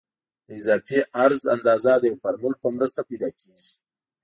د اضافي عرض اندازه د یو فورمول په مرسته پیدا کیږي